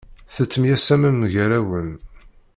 Tettemyasamem gar-awen.